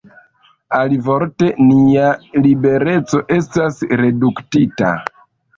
Alivorte, nia libereco estas reduktita.